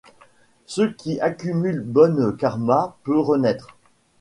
Ceux qui accumulent bonne karma peut renaître.